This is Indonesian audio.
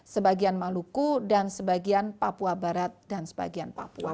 sebagian maluku dan sebagian papua barat dan sebagian papua